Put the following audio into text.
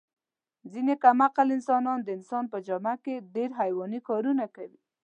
ځنې کم عقل انسانان د انسان په جامه کې ډېر حیواني کارونه کوي.